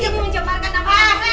jangan menjembarkan nama aku